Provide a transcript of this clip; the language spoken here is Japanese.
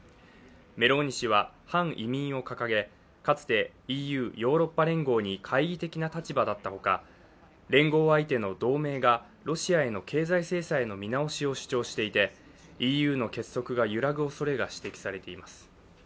メローニ氏は反移民を掲げかつてＥＵ＝ヨーロッパ連合に懐疑的な立場だったほか、連合相手の同盟がロシアへの経済制裁の見直しを主張していてＥＵの結束が揺らぐおそれが指摘されています。